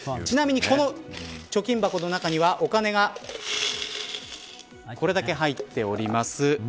ちなみに、この貯金箱の中にはお金がこれだけ入っております。